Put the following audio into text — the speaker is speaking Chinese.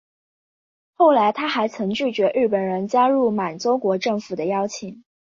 后来他还曾拒绝日本人加入满洲国政府的邀请。